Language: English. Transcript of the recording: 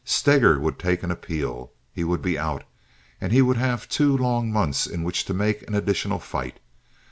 Steger would take an appeal. He would be out, and he would have two long months in which to make an additional fight.